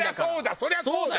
そりゃそうだ！